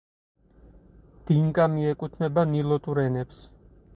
დინკა მიეკუთვნება ნილოტურ ენებს.